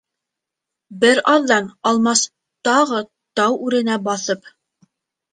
Бер аҙҙан Алмас тағы тау үренә баҫып: